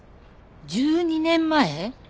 １２年前？